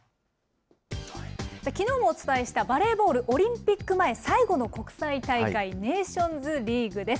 きのうもお伝えした、バレーボールオリンピック前最後の国際大会、ネーションズリーグです。